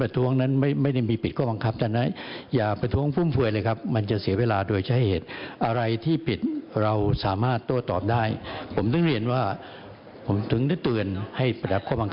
ต่อฝ่ายรัฐบาลลุกขึ้นประท้วง